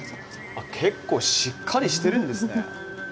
あっ結構しっかりしてるんですね。